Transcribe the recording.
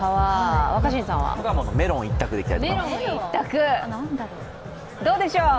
僕はメロン一択でいきたいと思います。